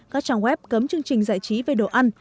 các trang web cấm chương trình giải trí về đồ ăn